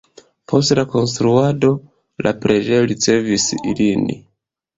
Post la konstruado la preĝejo ricevis ilin.